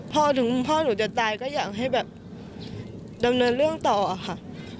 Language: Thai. พอถึงพ่อหนูจะตายก็อยากให้แบบดำเนินเรื่องต่อค่ะ